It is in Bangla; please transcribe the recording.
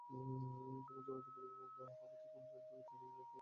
যখন চূড়ান্ত প্রতিবেদন দেওয়া হবে, তখন জড়িত ব্যক্তিদের নাম যুক্ত করা হবে।